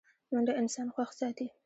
منډه انسان خوښ ساتي